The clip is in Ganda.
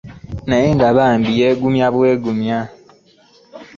Naye nga bambi yeegumya bwegumya.